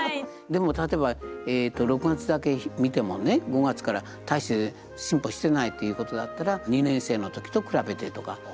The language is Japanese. でも例えば６月だけ見てもね５月から大して進歩してないということだったら２年生の時と比べてとか。